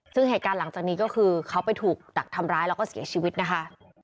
ซึ่งเหตุการณ์หลังจากนี้ก็คือเขาไปถูกดักทำร้ายแล้วก็เสียชีวิตนะคะ